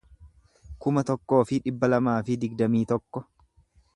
kuma tokkoo fi dhibba lamaa fi digdamii tokko